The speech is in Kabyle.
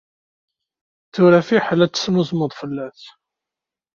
Tura fiḥel ad tesnuzegmeḍ fell-as.